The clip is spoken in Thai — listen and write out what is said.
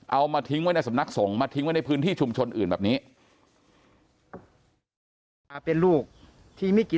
เอามาทิ้งไว้ในสำนักสงฆ์มาทิ้งไว้ในพื้นที่ชุมชนอื่นแบบนี้